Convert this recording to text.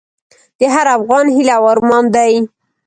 د هر افغان هیله او ارمان دی؛